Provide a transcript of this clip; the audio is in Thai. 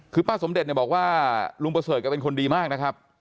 คือป้าสมเด็จเนี่ยบอกว่าลุงประเสริฐก็เป็นคนดีมากนะครับ